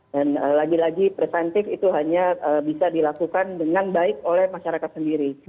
lagi lagi preventif itu hanya bisa dilakukan dengan baik oleh masyarakat sendiri